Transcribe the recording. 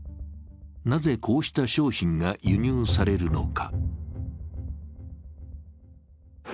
なぜこうした商品が輸入されるのか。